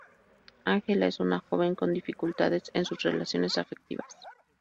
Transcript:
Ángela es una joven con dificultades en sus relaciones afectivas.